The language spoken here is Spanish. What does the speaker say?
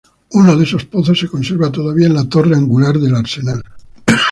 Uno de esos pozos se conserva todavía en la torre Angular del Arsenal.